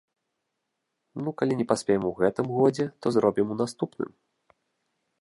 Ну, калі не паспеем у гэтым годзе, то зробім у наступным.